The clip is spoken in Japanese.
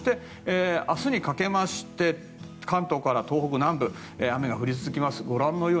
明日にかけまして関東から東北南部雨が降り続きます。